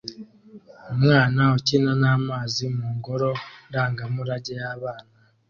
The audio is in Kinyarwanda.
Umwana ukina namazi mungoro ndangamurage yabana